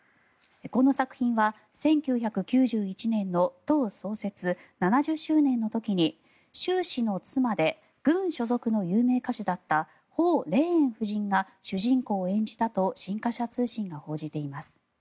この作品は１９９１年の党創設７０周年の時に習氏の妻で軍所属の有名歌手だったホウ・レイエン夫人が主人公を演じたと新華社通信が報じています。